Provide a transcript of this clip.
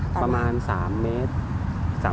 ประมาณ๓เมตร